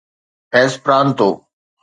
Esperanto